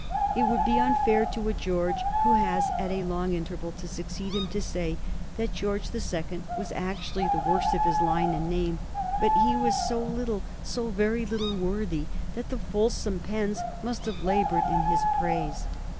It would be unfair to a George who has, at a long interval, to succeed him, to say that George the Second was actually the worst t>f his line and name ; but he was so little, so very little, worthy, that the fulsome pens must have labored in his praise.